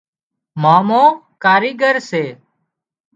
مامو ڪايڳر سي